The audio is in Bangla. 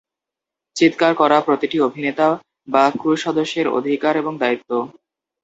চিৎকার করা প্রতিটি অভিনেতা বা ক্রু সদস্যের অধিকার এবং দায়িত্ব।